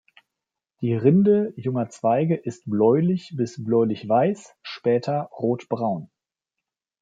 Die Rinde junger Zweige ist bläulich bis bläulichweiß, später rotbraun.